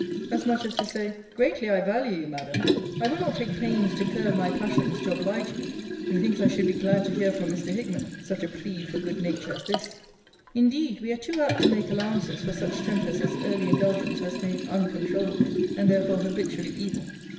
As much as to say, 'Greatly I value you, Madam, I will not take pains to curb my passions to oblige you' Methinks I should be glad to hear from Mr. Hickman such a plea for good nature as this. Indeed, we are too apt to make allowances for such tempers as early indulgence has made uncontroulable; and therefore habitually evil.